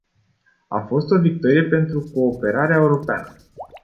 A fost o victorie pentru cooperarea europeană.